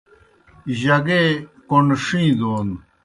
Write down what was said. جگے کوْݨ ݜِیں دون۔